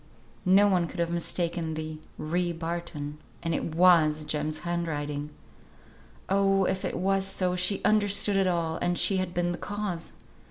no one could have mistaken the "ry Barton," and it was Jem's handwriting! Oh! if it was so, she understood it all, and she had been the cause!